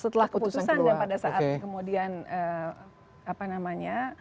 dan pada saat kemudian apa namanya